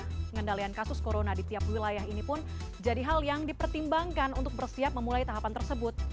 pengendalian kasus corona di tiap wilayah ini pun jadi hal yang dipertimbangkan untuk bersiap memulai tahapan tersebut